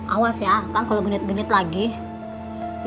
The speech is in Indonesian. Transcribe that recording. awas ya kang kalau genit genit lagi